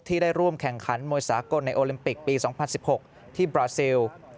ได้ร่วมแข่งขันมวยสากลในโอลิมปิกปี๒๐๑๖ที่บราซิล